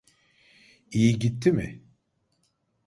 İyi gitti mi?